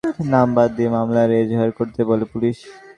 পরদিন থানায় গেলে কয়েকজনের নাম বাদ দিয়ে মামলার এজাহার করতে বলে পুলিশ।